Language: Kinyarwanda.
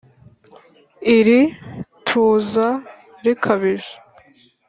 iri tuza rikabije